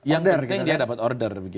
yang penting dapat order